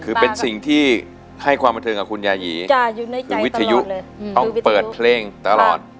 คือเป็นสิ่งที่ให้ความบันเทิงกับคุณยายีคุณวิทยุต้องเปิดเพลงตลอด